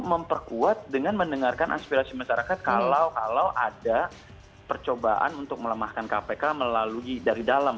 memperkuat dengan mendengarkan aspirasi masyarakat kalau kalau ada percobaan untuk melemahkan kpk melalui dari dalam